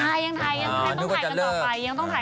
เนี่ยยังต้องถ่ายกันต่อไป